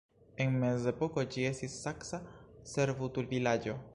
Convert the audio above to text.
En mezepoko ĝi estis saksa servutulvilaĝo.